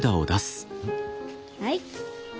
はい。